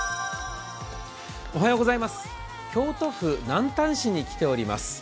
京都府南丹市に来ております。